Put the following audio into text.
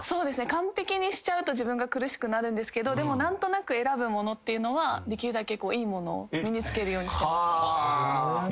完璧にしちゃうと自分が苦しくなるんですけどでも何となく選ぶものっていうのはできるだけこういいものを身につけるようにしてました。